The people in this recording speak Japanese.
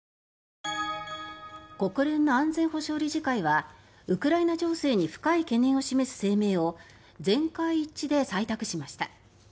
国連の安全保障理事会はウクライナ情勢に深い懸念を示す声明を全会一致で採択しました。